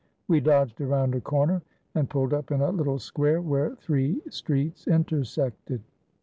We dodged around a corner and pulled up in a little square where three streets intersected.